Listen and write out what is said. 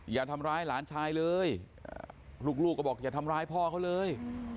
อย่าทำร้ายหลานชายเลยลูกก็บอกอย่าทำร้ายพ่อเขาเลย